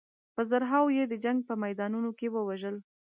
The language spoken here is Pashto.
په زرهاوو یې د جنګ په میدانونو کې ووژل.